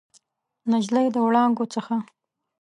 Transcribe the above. نجلۍ د وړانګو څخه